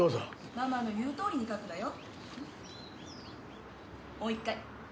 ママの言うとおりに書くのよ。